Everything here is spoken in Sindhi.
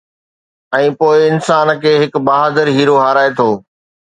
۽ پوءِ انسان کي هڪ بهادر هيرو هارائي ٿو